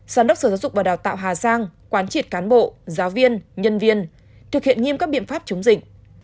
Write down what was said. giám đốc sở giáo dục và đào tạo hà giang quán triệt cán bộ giáo viên nhân viên thực hiện nghiêm các biện pháp chống dịch